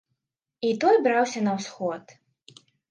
І той браўся на ўсход.